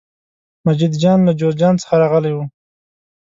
مجید جان له جوزجان څخه راغلی و.